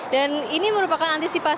dan ini merupakan antisipasi